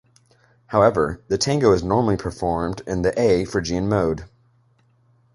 However, the tango is normally performed in the A Phrygian mode.